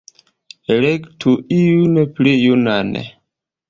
Elektu iun pli junan!".